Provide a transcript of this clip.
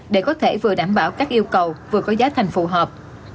để có thể vừa đảm bảo các yêu cầu vừa có giá thành phù hợp